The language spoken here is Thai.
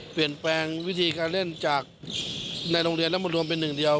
เปลี่ยนแปลงวิธีการเล่นจากในโรงเรียนแล้วมารวมเป็นหนึ่งเดียว